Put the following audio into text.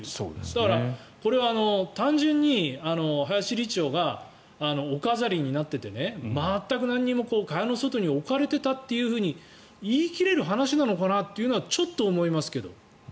だから、これは単純に林理事長がお飾りになっていて全く何も蚊帳の外に置かれていたというふうに言い切れる話なのかなとちょっと思いますけど。